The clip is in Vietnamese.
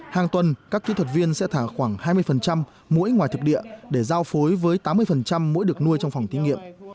hàng tuần các kỹ thuật viên sẽ thả khoảng hai mươi mỗi ngoài thực địa để giao phối với tám mươi mỗi được nuôi trong phòng thí nghiệm